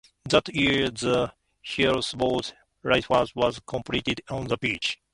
That year, the Hillsboro Lighthouse was completed on the beach.